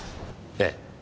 ええ。